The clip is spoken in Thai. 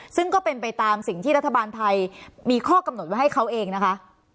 ซึ่งก็เป็นไปตามสิ่งที่รัฐบาลไทยมีข้อกำหนดไว้ให้เขาเองนะคะ